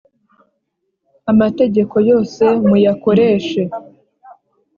Amategeko yose muyakoreshe.